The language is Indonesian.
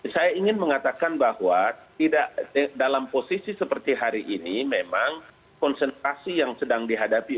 saya ingin mengatakan bahwa tidak dalam posisi seperti hari ini memang konsentrasi yang sedang dihadapi